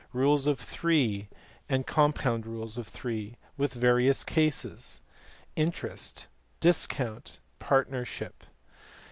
Rule of three and compound rule of three, with various cases. Interest, discount, and partnership.